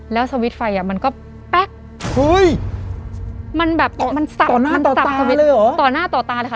แล้วสวิตช์ไฟมันก็แป๊กต่อหน้าต่อตาเลยค่ะ